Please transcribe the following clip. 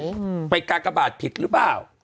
อืมไปกากบาทผิดหรือเปล่า